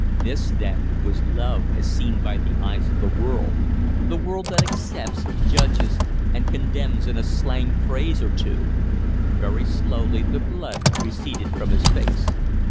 This, then, was love as seen by the eyes of the world the world that accepts, judges, and condemns in a slang phrase or two! Very slowly the blood receded from his face.